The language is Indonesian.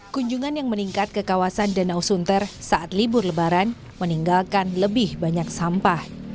kunjungan yang meningkat ke kawasan danau sunter saat libur lebaran meninggalkan lebih banyak sampah